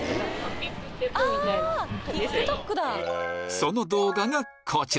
その動画がこちら